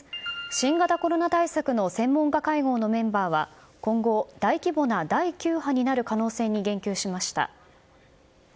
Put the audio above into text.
新型コロナ対策の専門家会合のメンバーは今後、大規模な第９波になる可能性に言及しました。